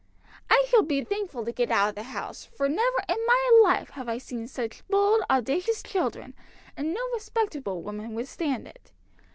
"I shall be thankful to get out of the house, for never in my life have I seen such bold, owdacious children, and no respectable woman would stand it.